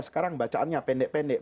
sekarang bacaannya pendek pendek